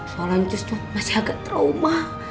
soalnya ncus tuh masih agak trauma